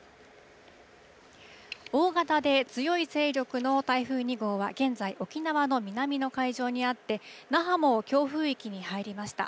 大型で強い勢力の台風２号は、現在沖縄の南の海上にあって、那覇も強風域に入りました。